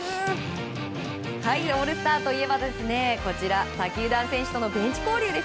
オールスターといえば他球団選手とのベンチ交流。